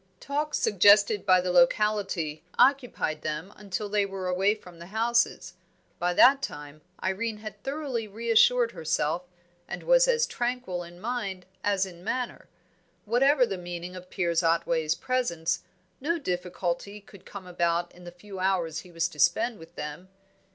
Talk suggested by the locality occupied them until they were away from the houses; by that time Irene had thoroughly reassured herself, and was as tranquil in mind as in manner. Whatever the meaning of Piers Otway's presence, no difficulty could come about in the few hours he was to spend with them.